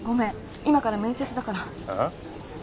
今から面接だからああ？